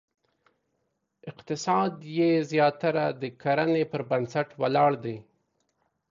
اقتصاد یې زیاتره د کرنې پر بنسټ ولاړ دی.